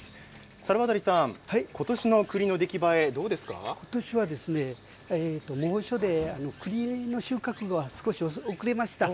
猿渡さん、今年の栗の出来栄えは今年は猛暑で栗の収穫が少し遅れました。